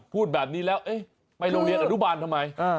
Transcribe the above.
พูดแบบนี้แล้วเอ๊ะไปโรงเรียนอนุบาลทำไม